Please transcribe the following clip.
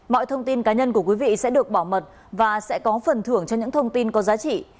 mọi thông tin cá nhân của quý vị sẽ được bảo mật và sẽ có phần thưởng cho những thông tin có giá trị